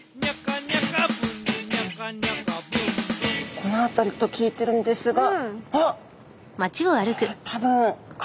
この辺りと聞いてるんですがあっ！